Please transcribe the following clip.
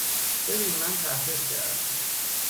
ببیین من تحقیق کردم